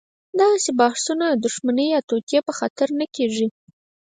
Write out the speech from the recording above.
دغسې بحثونه د دښمنۍ یا توطیې په خاطر نه کېږي.